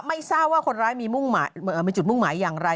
ไม่ทราบว่าคนร้ายมีมุ่งหมายมีจุดมุ่งหมายอย่างไร